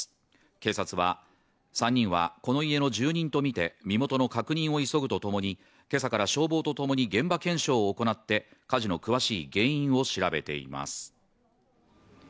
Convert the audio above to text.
警察は３人は、この家の住人とみて身元の確認を急ぐとともに今朝から消防と共に現場検証を行って、火事の詳しい原因を調べています。